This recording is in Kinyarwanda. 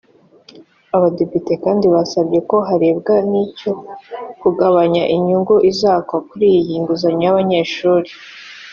Abadepite kandi basabye ko harebwa n’icyo kugabanya inyungu izakwa kuri iyi nguzanyo y’abanyeshuli